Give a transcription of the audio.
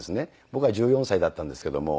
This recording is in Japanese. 僕は１４歳だったんですけども。